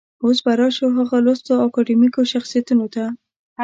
اوس به راشو هغه لوستو اکاډمیکو شخصيتونو ته.